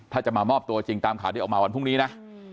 ถ้าจะมามอบตัวจริงตามข่าวที่ออกมาวันพรุ่งนี้นะ